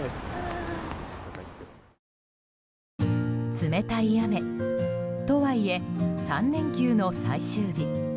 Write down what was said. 冷たい雨とはいえ３連休の最終日。